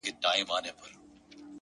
زما ځواني دي ستا د زلفو ښامارونه وخوري ـ